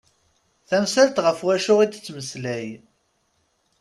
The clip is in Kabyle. Tamsalt ɣef wacu i d-temmeslay.